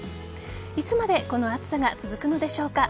いつまでこの暑さが続くのでしょうか。